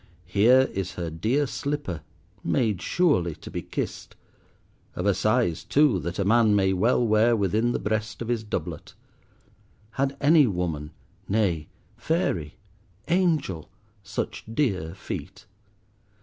Here is her dear slipper, made surely to be kissed. Of a size too that a man may well wear within the breast of his doublet. Had any woman—nay, fairy, angel, such dear feet!